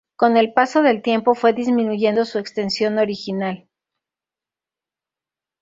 Con el paso del tiempo fue disminuyendo su extensión original.